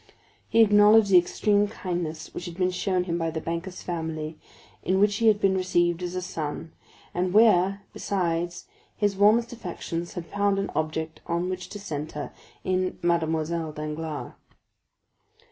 He acknowledged the extreme kindness which had been shown him by the banker's family, in which he had been received as a son, and where, besides, his warmest affections had found an object on which to centre in Mademoiselle Danglars.